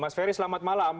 mas ferry selamat malam